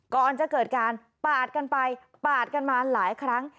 ก่อนจะเกิดการปาดกันไปปาดกันมาหลายครั้ง